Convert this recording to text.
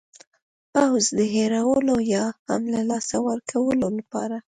پوځ د هېرولو یا هم له لاسه ورکولو لپاره.